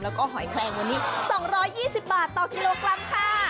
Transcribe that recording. แล้วก็หอยแคลงวันนี้สองร้อยยี่สิบบาทต่อกิโลกรัมค่ะ